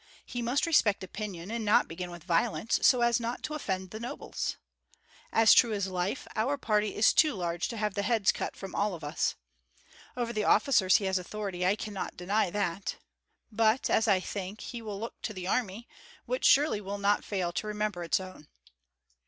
He must respect opinion, and not begin with violence, so as not to offend the nobles. As true as life, our party is too large to have the heads cut from all of us. Over the officers he has authority, I cannot deny that; but, as I think, he will look to the army, which surely will not fail to remember its own.